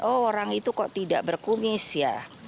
orang itu kok tidak berkumis ya